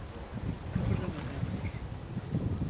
Kıpırdamadan dur.